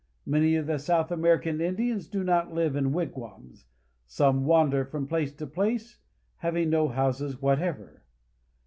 Many of the South American Indians do not live in wigwams. Some wander from place to place, having no houses whatever.